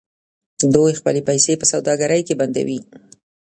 دوی خپلې پیسې په سوداګرۍ کې بندوي.